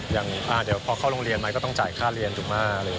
อย่างเดี๋ยวพอเข้าโรงเรียนไหมก็ต้องจ่ายค่าเรียนถูกไหม